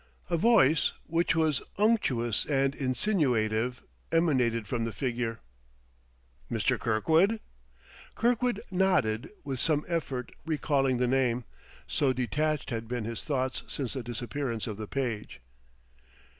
A voice, which was unctuous and insinuative, emanated from the figure. "Mr. Kirkwood?" Kirkwood nodded, with some effort recalling the name, so detached had been his thoughts since the disappearance of the page.